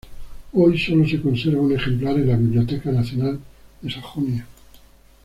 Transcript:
Hoy sólo se conserva un ejemplar en la Biblioteca Nacional de Sajonia.